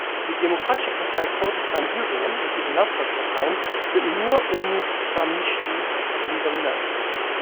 Die Demokratische Partei Kurdistan-Syrien und ihre Nachfolgeparteien sind nur um Qamischli herum dominant.